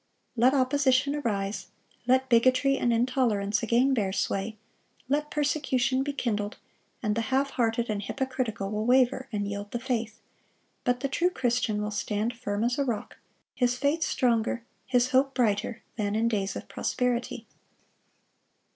Let opposition arise, let bigotry and intolerance again bear sway, let persecution be kindled, and the half hearted and hypocritical will waver and yield the faith; but the true Christian will stand firm as a rock, his faith stronger, his hope brighter, than in days of prosperity.